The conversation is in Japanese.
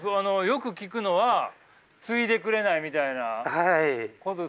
よく聞くのは継いでくれないみたいなこと。